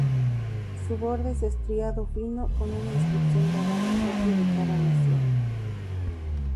Su borde es estriado fino con una inscripción grabada propia de cada nación.